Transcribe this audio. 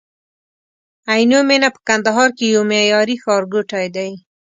عینومېنه په کندهار کي یو معیاري ښارګوټی دی